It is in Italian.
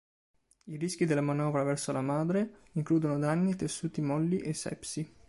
I rischi della manovra verso la madre includono danni ai tessuti molli e sepsi.